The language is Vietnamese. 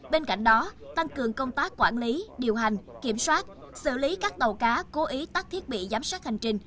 bên cạnh đó tăng cường công tác quản lý điều hành kiểm soát xử lý các tàu cá cố ý tắt thiết bị giám sát hành trình